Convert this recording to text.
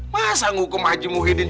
masa ngukum haji ibu ibu ibu ibu ibu